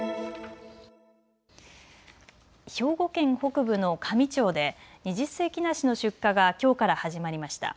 兵庫県北部の香美町で二十世紀梨の出荷がきょうから始まりました。